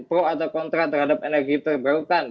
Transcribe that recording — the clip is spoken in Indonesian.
pro atau kontra terhadap energi terbarukan